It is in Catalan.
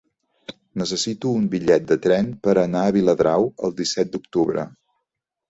Necessito un bitllet de tren per anar a Viladrau el disset d'octubre.